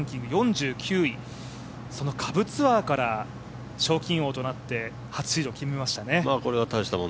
その下部ツアーから賞金王となって初シード決めましたね。